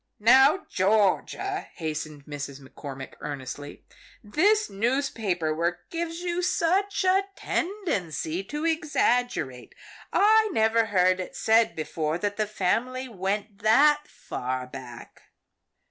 "Now Georgia," hastened Mrs. McCormick earnestly, "this newspaper work gives you such a tendency to exaggerate. I never heard it said before that the family went that far back."